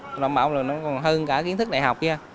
nó đảm bảo là nó còn hơn cả kiến thức đại học kia